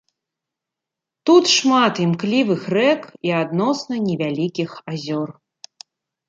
Тут шмат імклівых рэк і адносна невялікіх азёр.